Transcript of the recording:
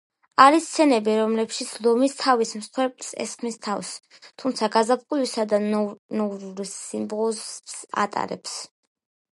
არის სცენები, რომლებშიც ლომის თავის მსხვერპლს ესხმის თავს, თუმცა გაზაფხულისა და ნოვრუზის სიმბოლიზმს ატარებს.